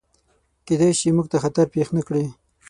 کیدای شي، موږ ته خطر پیښ نکړي.